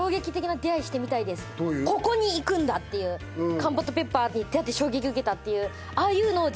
カンポットペッパーに出会って衝撃受けたっていうああいうのをあ